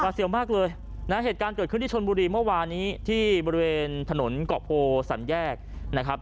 เสียวมากเลยนะเหตุการณ์เกิดขึ้นที่ชนบุรีเมื่อวานนี้ที่บริเวณถนนเกาะโพสันแยกนะครับ